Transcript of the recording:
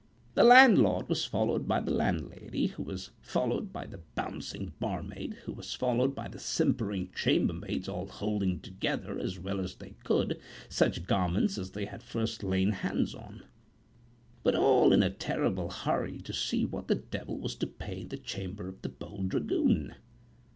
The landlord was followed by the landlady, who was followed by the bouncing bar maid, who was followed by the simpering chambermaids all holding together, as well as they could, such garments as they had first lain hands on; but all in a terrible hurry to see what the devil was to pay in the chamber of the bold dragoon.